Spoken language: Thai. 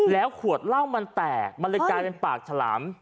แล้วขวดเหล้ามันแตกมันเลยกลายเป็นปากฉลาม